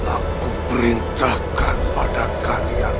aku perintahkan pada kalian